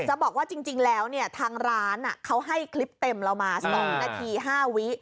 จะบอกว่าจริงแล้วเนี่ยทางร้านเขาให้คลิปเต็มเรามา๒นาที๕วิ